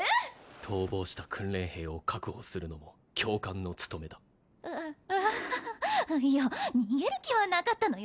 逃亡した訓練兵を確保するのも教官の務めだアアハハいや逃げる気はなかったのよ